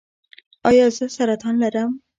ایا زه سرطان لرم؟